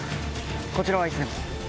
こちらはいつでも。